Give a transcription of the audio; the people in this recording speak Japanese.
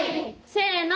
せの。